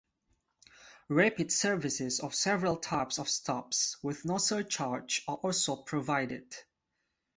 Rapid services of several types of stops, with no surcharge, are also provided.